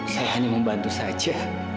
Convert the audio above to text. saya hanya membantu saja